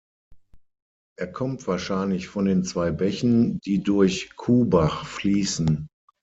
Er kommt wahrscheinlich von den zwei Bächen, die durch Kubach fließen.